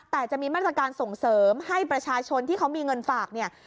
แต่จะมีมาตรการส่งเสริมให้ประชาชนที่เขามีเงินฝากเนี่ย